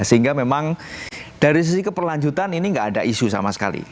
sehingga memang dari sisi keberlanjutan ini nggak ada isu sama sekali